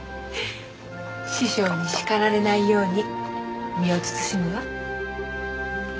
師匠に叱られないように身を慎むわ。